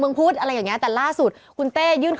เป็นพรุ่งน้ำตาปริงที่ปร่งที่สุด